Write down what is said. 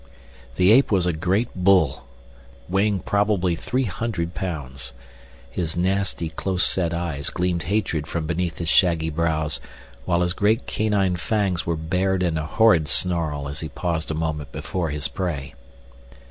The ape was a great bull, weighing probably three hundred pounds. His nasty, close set eyes gleamed hatred from beneath his shaggy brows, while his great canine fangs were bared in a horrid snarl as he paused a moment before his prey.